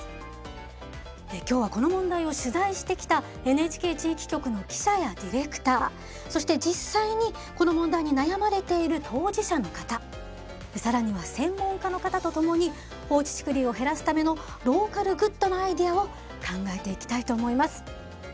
今日はこの問題を取材してきたＮＨＫ地域局の記者やディレクターそして実際にこの問題に悩まれている当事者の方更には専門家の方と共に放置竹林を減らすためのローカルグッドなアイデアを考えていきたいと思います。